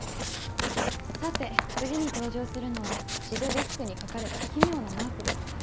さて次に登場するのは血でデスクに描かれた奇妙なマークです。